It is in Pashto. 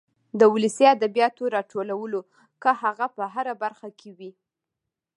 د ولسي ادبياتو راټولو که هغه په هره برخه کې وي.